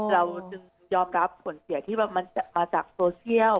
เราจึงยอมรับผลเสียที่มันมาจากโซเชียล